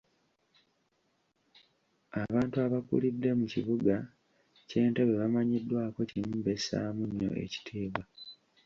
Abantu abakulidde mu kibuga ky’e Ntebe bamanyiddwako kimu bessaamu nnyo ekitiibwa.